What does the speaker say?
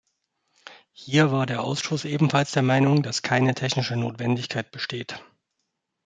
Hier war der Ausschuss ebenfalls der Meinung, dass keine technische Notwendigkeit besteht.